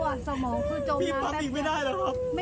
แต่นี่น้องเกินไป๔๐นาทีเลย